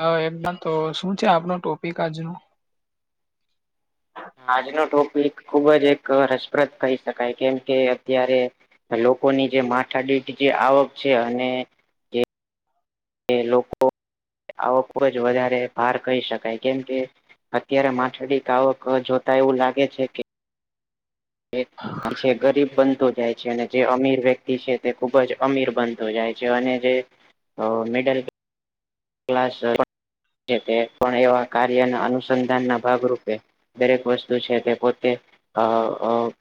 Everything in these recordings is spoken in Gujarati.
હ એકદમ તો શું છે આપનો ટોપિક આજનો. આજનો ટોપિક ખુબ જ એક રસપ્રદ કહી શકાય કેમ કે અત્યારે. લોકોની જે માથા દીઠ જે આવક છે અને કે લોકો આવક જ વધારે ભાર કહી શકાય કેમ કે અત્યારે માછડી કાવક જોતા એવું લાગે છે કે છે ગરીબ બનતું જાય છે અને જે અમીર વ્યક્તિ છે તે ખુબ જ અમીર બનતો જાય છે અને જે મડલ પણ એવા કાર્ય ના અનુસંધાન ના ભાગરૂપે દરેક વસ્તુ છે તે પોતે અ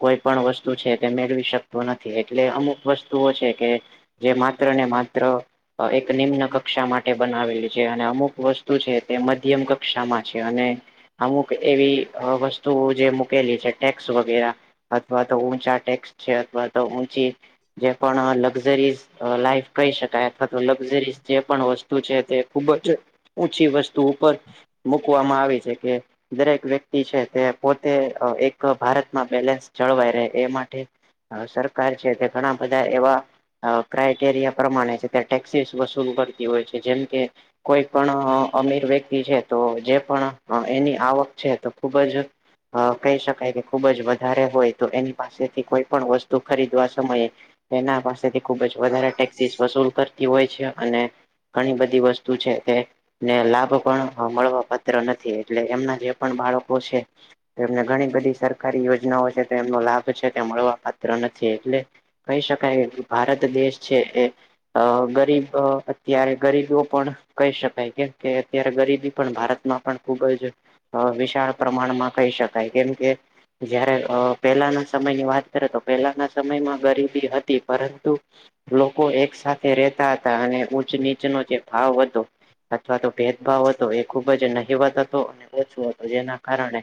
કોઈ પણ વસ્તુ છે તે મેળવી શકતો નથી એટલે અમુક વસ્તુઓ છે કે જે માત્ર ને માત્ર એક નિમ્ન કક્ષા માટે બનાવેલી છે અને અમુક વસ્તુ છે તે મધ્યમ કક્ષામાં છે અને અમુક એવી વસ્તુ જે મૂકેલી છે, ટેક્સ વગેરા અથવા તો ઊંચા ટેક્સ છે, અથવા તો ઊંચી જે પણ લક્ઝરીઝ લાઈફ કહી શકાય અથવા તો લક્ઝરીઝ જે પણ વસ્તુ છે તે ખુબ જ છી વસ્તુ ઉપર મકવામાં આવી છે કે દરેક વ્યક્તિ છે તે પોતે એક ભારતમાં બેલેન્સ જળવાય રહે એ માટે હ સરકાર છે તે ઘણા બધા એવા ક્રાઈટેરિયા પ્રમાણે છે, ત્યા ટેક્સીસ વસૂલ કરતી હોય છે જેમ કે કોઈ પણ અમીર વ્યક્તિ છે, તો જે પણ એની આવક છે તો ખુબ જ અ કહી શકાય કે ખુબ જ વધારે હોય તો એની પાસેથી કોઈ પણ વસ્તુ ખરીદવા સમય એના પાસેથી ખુબ જ વધારે ટેક્સીસ વસૂલ કરતી હોય છે અને ઘણી બધી વસ્તુ છે તે ને લાભ પણ મળવા પાત્ર નથી એટલે એમના જે પણ બાળકો છે. એમને ઘણી બધી સરકારી યોજનાઓ છે, એમનો લાભ છે તે મળવા પાત્ર નથી એટલે કહી શકાય ભારત દેશ છે, એ ગરીબ ત્યારે ગરીબીઓ પણ કહી શકાય કેમ કે અત્યારે ગરીબી પણ ભારતમાં પણ ખુબ જ વિશાળ પ્રમાણમાં કહી શકાય કેમ કે જયારે પહેલાના સમયની વાત કરે તો પહેલાના સમયમાં ગરીબી હતી પરંતુ લોકો એક સાથેથે રહેતા હતા અને ઉચ નીચનો જે ભાવ હતો. અથવા તો ભેદભાવ હતો, એ ખૂબ જ નહિવત હતો અને ઓછો હતો જેના કારણે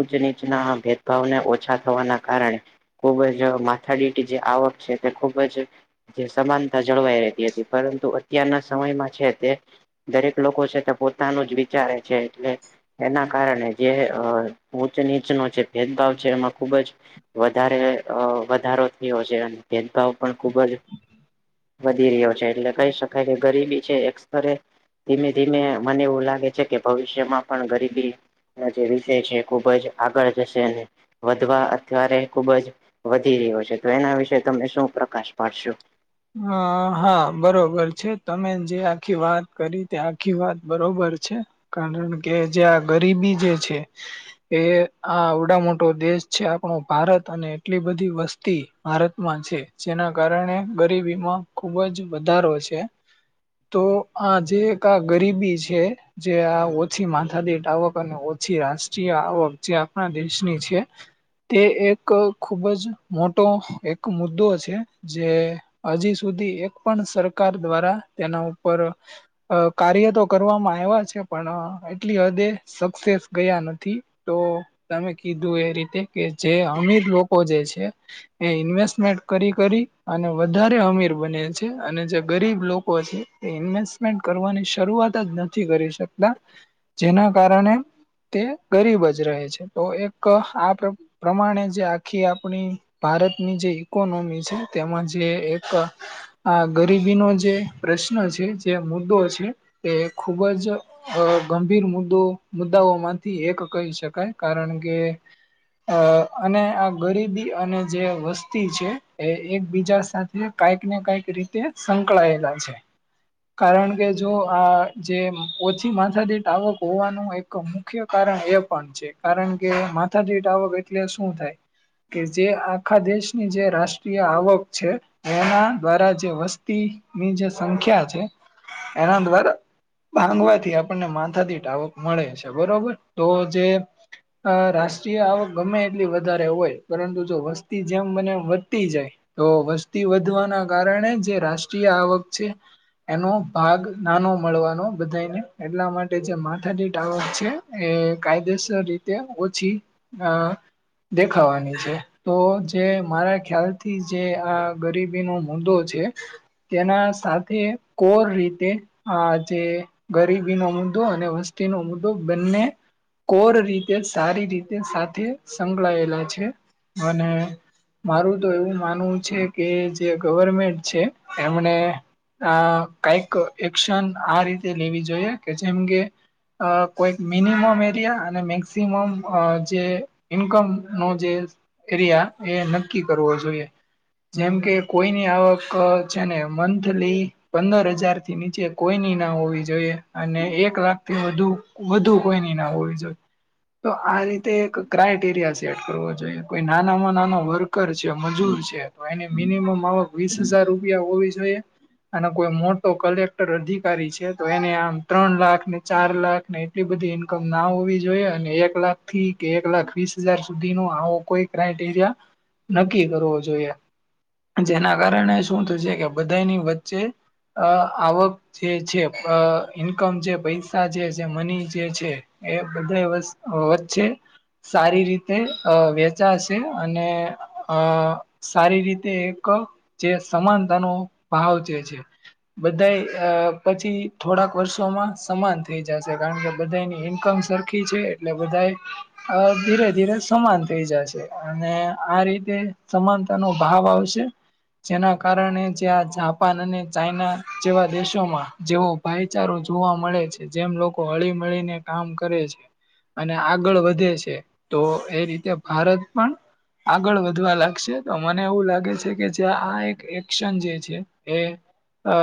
ઉચ નીચના ભેદભાવને ઓછા થવાના કારણે ખુબ જ માથાડીટી જે આવક છે, તે ખુબ જ જે સમાનતા જળવાઈ રહેતી હતી. પરંતુ અત્યારના સમયમાં છે, તે દરેક લોકો છે, તે પોતાનું જ વિચારે છે એટલે એના કારણે જેચ નીચનો જે ભેદભાવ છે, એમાં ખૂબ જ વધારે વધારો થયો છે, અને ભેદભાવ પણ ખુબ જ વધી રહ્યો છે, એટલે કહી શકાય કે ગરીબી છે એસરે ધીમે ધીમે મને એવું લાગે છે કે ભવિષ્યમાં પણ ગરીબી ના જે વિષય છે, ખુબ જ આગળ જશે અને વધવા અત્યારે ખુબ જ વધી રહ્યો છે, તો એના વિશે તમે શું પ્રકાશ પાડશો? હ હા બરોબર છે, તમે જે આખી વાત કરી તે આખી વાત બરોબર છે. કારણ કે જ્યાં ગરીબી જે છે. એ આવડા મોટો દેશ છે, આપણો ભારત અને એટલી બધી વસ્તી ભારતમાં છે, જેના કારણે ગરીબીમાં ખુબ જ વધારો છે. તો આ જે એક આ ગરીબી છે. જે આ ઓછી માથાદીઠ આવક અને ઓછી રાષ્ટ્રીય આવક જે આપણા દેશની છે. તે એક ખુબ જ મોટો એક મુદ્દો છે, જે હજી સુધી એક પણ સરકાર દ્વારા તેના ઉપર અ કાર્ય તો કરવામાં આવ્યા છે, પણ એટલી હદે સક્સેસ ગયા નથી તો તમે કીધું એ રીતે કે જે અમીર લોકો જે છે. એ ઇન્વેસ્ટમેન્ટ કરી કરી અને વધારે અમીર બને છે, અને જે ગરીબ લોકો છે, એ ઇન્વેસ્ટમેન્ટ કરવાની શરૂઆત જ ન થી કરી શકતા જેના કારણે તે ગરીબ જ રહે છે, તો એક આપે પ્રમાણે જે આખી આપણી ભારતની જે ઈકોનોમી છે, તેમાં જે એક આ ગરીબીનો જે પ્રશ્ન છે, જે મુદ્દો છે, એ ખુબ જ અ ગંભીર મુદ્દો મુદ્દાઓ માંથી એક કહી શકાય કારણ કે અ અને આ ગરીબી અને જે વસ્તી છે, એ એકબીજા સાથે કાઈક ને કાઈક રીતે સંકળાયેલા છે. કારણ કે જો આ જે ઓછી માથાદીઠ આવક હોવાનું એ મુખ્ય કારણ એ પણ છે, કારણ કે માથાદીઠ આવક એટલે શું થાય કે જે આખા દેશની જે રાષ્ટ્રીય આવક છે. એના દ્વારા જે વસ્તીની જે સંખ્યા છે, એના દ્વારા ભાંગવાથી આપણને માથાદીઠ આવકમાં મળે છે, બરોબર તો જે અ રાષ્ટ્રીય આવક ગમે એટલી વધારે હોય પરંતુ જો વસ્તી જેમ મને વધતી જાય તો વસ્તી વધવાના કારણે જે રાષ્ટ્રીય આવક છે. એનો ભાગ નાનો મળવાનો બધાને એટલા માટે જે માથાદીઠ આવક છે. એ કાયદેસર રીતે ઓછી અ દેખાવાની છે, તો જે મારા ખ્યાલથી જે આ ગરીબીનો મુદ્દો છે, તેના સાથે કોર રીતે આ જે ગરીબીનો મુદ્દો અને વસ્તીનો મુદ્દો બંને કોર રીતે સારી રીતે સાથે સંકળાયેલા છે, અને મારું તો એવું માનવું છે, કે જે ગવર્મેન્ટ છે, એમને આ કાઈક એક્શન આ રીતે લેવી જોઈએ કે જેમ કે અ કોઈક મિનિમમ એરિયા અને મેક્સિમમ અ જે ઇન્કમનો જે એરિયા એ નક્કી કરવો જોએ જેમ કે કોઈની આવક છે, ને મંથલી પંદર હજાર થી નીચે કોઈની ના હોવી જોઈએ અને એક લાખ થી વધુ વધુ કોઈની ના હોવી જોએ તો આ રીતે એક ક્રાઈટેરિયા સેટ કરવો જોઈએ કોઈ નાનામાં નાનો વર્કર છે, મજૂર છે. તો એને મિનિમમ આવક વીસ હજાર રૂપિયા હોવી જોઈએ અને કોઈ મોટો કલેક્ટર અધિકારી છે, તો એને આમ ત્રણ લાખ ને ચાર લાખ ને એટલી બધી ઈન્કમના હોવી જોઈએ અને એક લાખ થી કે એક લાખ વીસ હજાર સુધી નુ આવો કોઈ ક્રાઈટેરિયા નક્કી કરવો જોએ. જેના કારણે શું થશે છે, કે બધાની વચ્ચે અ આવક જે છે, અ ઈન્કમ જે પૈસા જે છે, જે મની જે છે. એ બધા વસ વચ્ચે સારી રીતે અ વેચાશે અને અ સારી રીતે એક જે સમાનતાનો ભાવ જે છે. બધા અ પછી થોડાક વર્ષોમાં સમાન થઈ જશે કારણ કે બધાની ઇન્કમ સર ખી છે એટલે બધા અ ધીરે ધીરે સમાન થઈ જાશે અને આ રીતે સમાન તેનો ભાવ આવશે જેના કારણે જ્યાં જાપાન અને ચાઈના જેવા દેશોમાં જેવો ભાઈચારો જોવા મળે છે જેમ લોકો હળી મળીને કામ કરે છે. અને આગળ વધે છે તો એ રીતે ભારત પણ આગળ વધવા લાગશે તો મને એવું લાગે છે કે જે આ એક એક્શન જે છે એ અ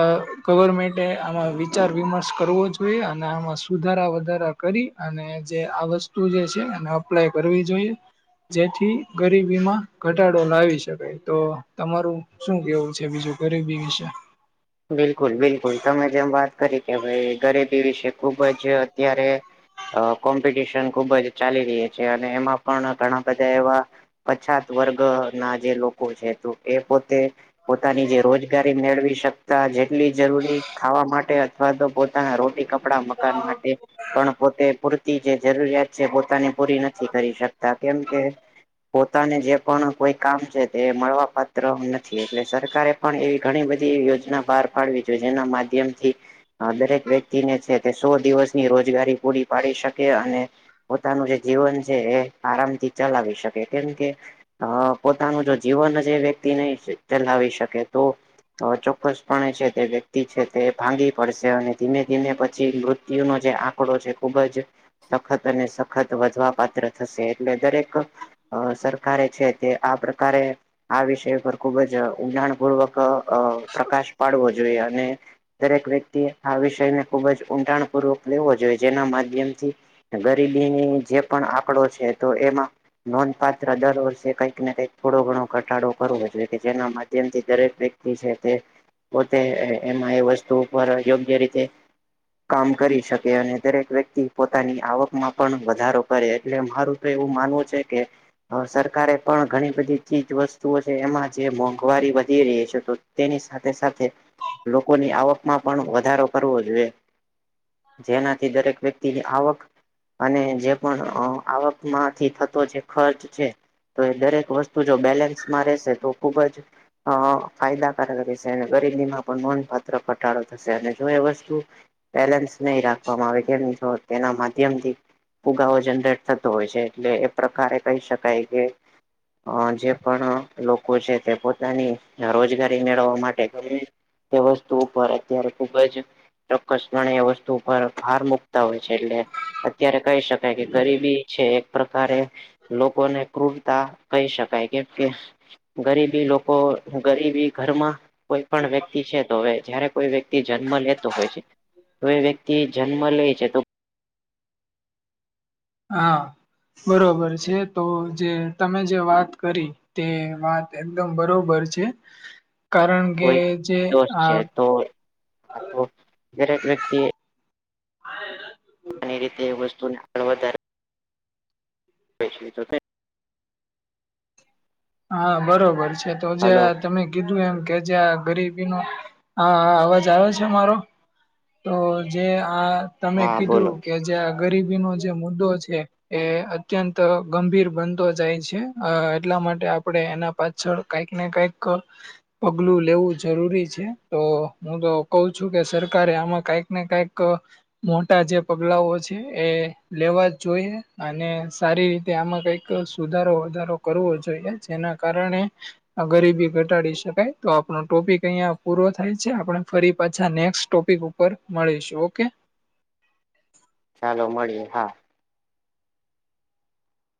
ગવર્મેન્ટે આમાં વિચાર વિમર્શ કરવો જોઈએ અને આમાં સુધારા વધારા કરી અને જે આ વસ્તુ જે છે એને અપ્લાય કરવી જોઈએ જેથી ગરીબીમાં ઘટાડો લાવીશ શકાય તો તમારું શું કેવું છે બીજું ગરીબી વિશે? બિલકુલ બિલકુલ તમે જેમ વાત કરી કે ભાઈ ગરીબી વિશે ખુબ જ અત્યારે અ કોમ્પિટિશન ખુબ જ ચાલી રહી છે અને એમાં પણ ઘણા બધા એવા પછાત વર્ગ ના જે લોકો છે એ પોતે પોતાની જે રોજગારી મેળવી શક તા જેટલી જરૂરી ખાવા માટે અથવા તો પોતાના રોટી ક પડા મકાન માટે પણ પોતે પૂરતી જે જરૂરિયાત છે પોતાની પૂરી નથી કરી શકતા કેમ કે પોતાને જે પણ કોઈ કામ છે તે મળવા પાત્ર નથી એટલે સરકારે પણ એવી ઘણી બધી યોજના બહાર પાડવી જોઈએ જેના માધ્યમ થી દરેક વ્યક્તિને છે તે સો દિવસની રોજગારી પૂરી પાડી શકે અને પોતાનું જે જીવન છે એ આરામથી ચલાવી શકે કેમ કે અ પોતાનું જો જીવન જ એ વ્યક્તિ નહીં ચલાવી શકે તો ચોક્કસ પણ છે તે વ્યક્તિ છે તે ભાંગી પડશે અને ધીમે ધીમે પછી મૃત્યુ નો જે આંકડો છે ખૂબ જ સખત અને સખત વધવા પાત્ર થશે એટલે દરેક અ સરકારે છે તે આ પ્રકારે આ વિષય પર ખુબજ ઉડાણ પૂર્વક અ પ્રકાશ પાડવો જોઈએ અને દરેક વ્યક્તિએ આ વિષયને ખુબ જ ઊંડાણ પૂર્વક લેવો જોઈએ જેના માધ્યમથી ગરીબીની જે પણ આંકડો છે તો એમાં નોંધપાત્ર દર વર્ષે કઈકને કંઈક થોડો ઘણો ઘટાડો કરવો જોઈએ કે જેના માધ્યમથી દરેક વ્ય એ છે તે પોતે એમાં એ વસ્તુ ઉપર યોગ્ય રીતે કામ કરી શકે અને દરેક વ્યક્તિ પોતાની આવકમાં પણ વધારો કરે એટલે મારું એવું માનવું છે કે હ સરકારે પણ ઘણી બધી ચીજ વસ્તુઓ છે એમાં જે મોંઘવારી વધી રહી છે તો તેની સા સાથે લોકોની આવકમાં પણ વધારો કરવો જોઈએ. જેનાથી દરેક વ્યક્તિની આવક અને જે પણ અ આવકમાંથી થતો જે ખર્ચ છે. તો એ દરેક વસ્તુ જો બેલેન્સમાં રહેશે તો ખુબ જ અ ફાયદાકારક રહેશે. ગરીબી માં પણ નોંધપાત્ર ઘટાડો થશે અને જો એ વસ્તુ બેલેન્સ નહી રાખવામાં આવે તેના માધ્યમથી ફુગાવો જનરેટ થતો હોય છે એટલે એ પ્રકારે કહી શકાય કે અ જે પણ લોકો છે તે પોતાની રોજગા રી મેળવવા માટે તે વસ્તુ ઉપર જયારે ખુબ જ ચોક્ક્સપણે એ વસ્તુ પર ભાર મૂકતા હોય છે એટલે અત્યારે કહી શકાય કે ગરીબી છે એક પ્રકારે લોકોને ક્રુરતા કહી શકાય કેમ કે ગરીબી લોકો ગરીબી ઘરમાં કોઈ પણ વ્યક્ થી છે તો હવે જયારે કોઈ વ્યક્તિ જન્મ લેતો હોય છે કોઈ વ્યક્તિ જન્મ લે છે તો હા બરોબર છે તો જે તમે જે વાત કરી તે વાત એકદમ બરોબર છે કારણ કે કોઈ જે દોષ આ છે તો તો દરેક વ્યક્તિ આ રીતે એ વસ્તુને આગળ વધારે પ [inaudible] હા બરોબર છે તો જે હલો તમે કીધું એમ કે જે આ ગરીબી ન આ અવાજ આવે છે મારો. તો જે આ તમે હા બોલો કીધું કે જે ગરીબીનો જે મુદ્દો છે એ અત્યંત ગંભીર બનતો જાય છે એટલા માટે આપડે એના પાછળ કઈક ને કઈક પગલું લેવું જરૂરી છે તો હું તો કહઉ છું કે સરકારે આમાં કઈક ને કઈક મોટા જે પગલાઓ છે એ લેવા જ જોઈએ અને સારી રીતે આમાં કઈક સુધારો વધારો કરવો જોઈએ જેના કારણે ગરીબી ઘટાડી શકાય તો આપણો ટોપિક અહિયાં પૂરો થાય છે આપણે ફરી પાછા નેક્સ્ટ ટોપિક ઉપ ઉપર મળીશું ઓકે. ચાલો મળીએ હા.